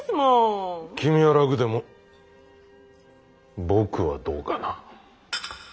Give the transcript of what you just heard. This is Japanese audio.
君は楽でも僕はどうかな。